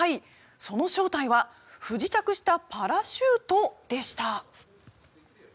その正体は不時着したパラシュートでした。